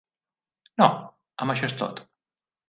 No, amb això és tot.